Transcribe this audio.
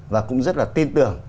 và cũng rất là tin tưởng